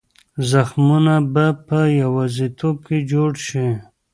زخمونه به په یوازیتوب کې جوړ شي.